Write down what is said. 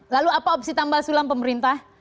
lalu apa opsi tambal sulam pemerintah